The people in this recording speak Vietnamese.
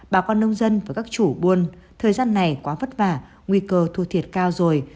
bà con nông dân và các chủ buôn thời gian này quá vất vả nguy cơ thua thiệt cao rồi